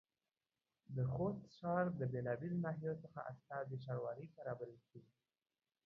د خوست ښار د بېلابېلو ناحيو څخه استازي ښاروالۍ ته رابلل شوي دي.